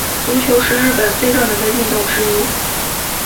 足球是日本最热门的运动之一。